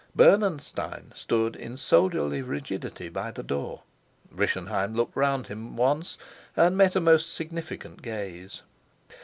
Bernenstein stood in soldierly rigidity by the door; Rischenheim looked round at him once and met a most significant gaze.